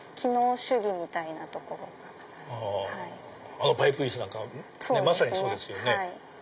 あのパイプ椅子なんかまさにそうですよね。